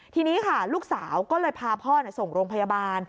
ทีนี้ค่ะลูกสาวก็เลยพาพ่อส่งโรงพยาบาล